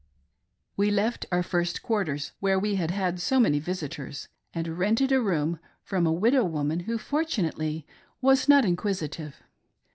We left our first quarters, where we had had so many visitors, and rented a room from a widow woman. Who fortunately was not inquisitive.